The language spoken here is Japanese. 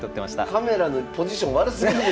カメラのポジション悪すぎるでしょ！